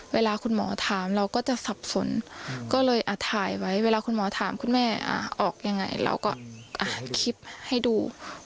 เวลาคุณหมอถามเราก็จะสับสนก็เลยถ่ายไว้เวลาคุณหมอถามคุณแม่ออกยังไงเราก็อัดคลิปให้ดู